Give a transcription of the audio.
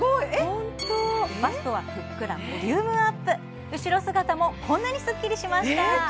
ホントバストはふっくらボリュームアップ後ろ姿もこんなにスッキリしましたえ